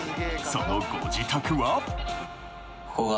そのご自宅は？